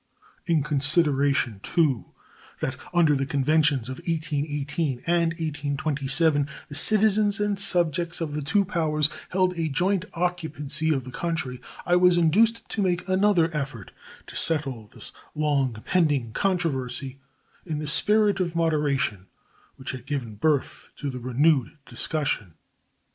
In consideration, too, that under the conventions of 1818 and 1827 the citizens and subjects of the two powers held a joint occupancy of the country, I was induced to make another effort to settle this long pending controversy in the spirit of moderation which had given birth to the renewed discussion.